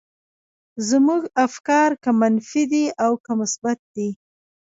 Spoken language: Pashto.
زموږ افکار که منفي دي او که مثبت دي.